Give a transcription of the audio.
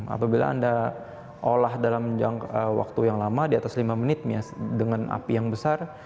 apabila anda olah dalam waktu yang lama di atas lima menit dengan api yang besar